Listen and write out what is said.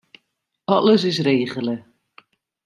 Alles is regele.